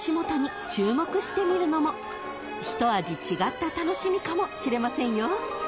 ［ひと味違った楽しみかもしれませんよ］